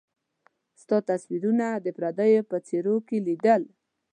ستا تصويرونه د پرديو په څيرو کي ليدل